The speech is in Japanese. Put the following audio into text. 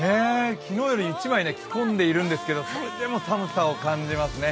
昨日より１枚着込んでいるんですけど、それでも寒さを感じますね。